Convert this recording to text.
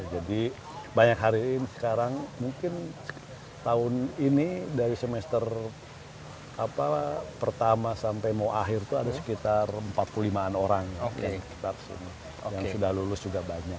jadi banyak hari ini sekarang mungkin tahun ini dari semester pertama sampai mau akhir itu ada sekitar empat puluh lima tahun